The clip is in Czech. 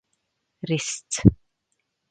Risc